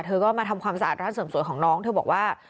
เธอก็มาทำความสะอาดร้านเสริมสวยของน้องเธอบอกว่า